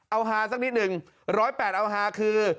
เอาฮาสักนิดหนึ่ง๑๐๘เอาฮาคือ